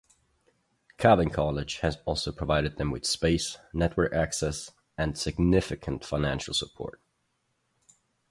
Calvin College has also provided them with space, network access, and significant financial support.